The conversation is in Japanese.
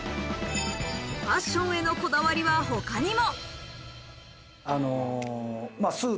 ファッションへのこだわりは他にも。